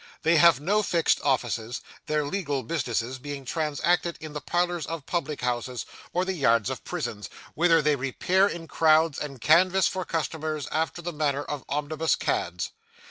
They have no fixed offices, their legal business being transacted in the parlours of public houses, or the yards of prisons, whither they repair in crowds, and canvass for customers after the manner of omnibus cads.